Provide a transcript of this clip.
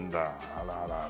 あららら。